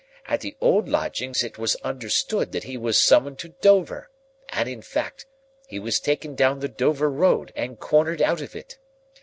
At the old lodgings it was understood that he was summoned to Dover, and, in fact, he was taken down the Dover road and cornered out of it.